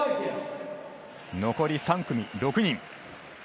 残り３組、６人。